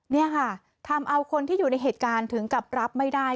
นี่ค่ะทำเอาคนที่อยู่ในเหตุการณ์ถึงกับรับไม่ได้